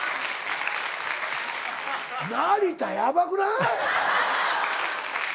成田ヤバくない？